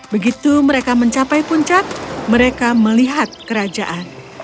begitu mereka mencapai puncak mereka melihat kerajaan